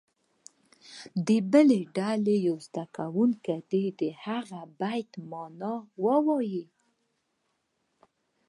د بلې ډلې یو زده کوونکی دې د هغه بیت معنا ووایي.